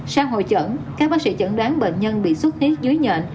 sau hội chẩn các bác sĩ chẩn đoán bệnh nhân bị xuất huyết dưới nhện